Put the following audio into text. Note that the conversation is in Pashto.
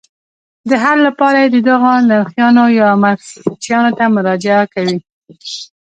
د حل لپاره یې دغو نرخیانو یا مرکچیانو ته مراجعه کوي.